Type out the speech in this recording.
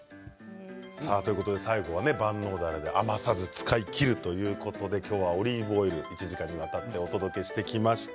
最後は万能だれで余さず使えるということで今日はオリーブオイル１時間にわたってお届けしてきました。